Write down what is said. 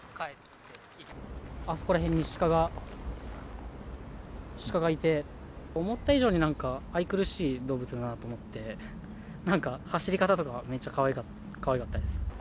あそこら辺にシカが、シカがいて、思った以上になんか、愛くるしい動物だなと思って、なんか走り方とか、めっちゃかわいかったです。